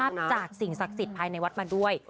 จากสิ่งศักดิ์สิทธิ์ภายในวัดมาด้วย